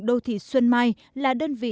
đô thị xuân mai là đơn vị